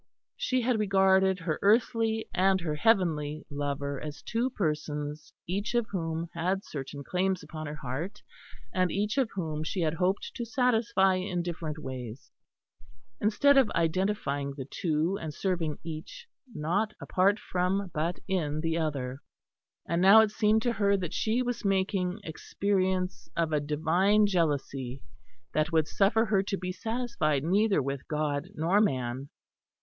She had regarded her earthly and her heavenly lover as two persons, each of whom had certain claims upon her heart, and each of whom she had hoped to satisfy in different ways; instead of identifying the two, and serving each not apart from, but in the other. And it now seemed to her that she was making experience of a Divine jealousy that would suffer her to be satisfied neither with God nor man.